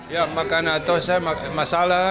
ya makanan tuh saya masalah